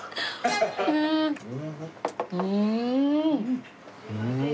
うん！